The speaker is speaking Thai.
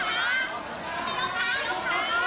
สวัสดีครับ